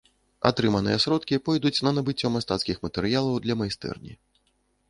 Атрыманыя сродкі пойдуць на набыццё мастацкіх матэрыялаў для майстэрні.